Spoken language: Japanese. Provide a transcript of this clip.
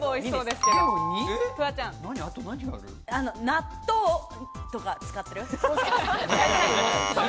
納豆とか使ってる？